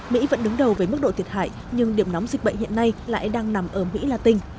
mỹ vẫn đứng đầu với mức độ thiệt hại nhưng điểm nóng dịch bệnh hiện nay lại đang nằm ở mỹ latin